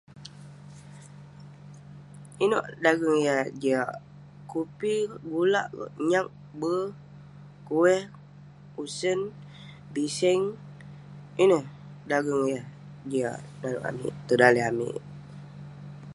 Inouk dageng yah jiak? Kupi, gulak, nyak, be, kueh, usen, biseng. Ineh dageng yah jiak nalek amik tong daleh amik.